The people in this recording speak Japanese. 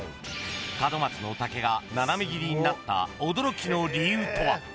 門松の竹が斜め切りになった驚きの理由とは。